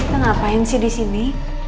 kita ngapain sih di sini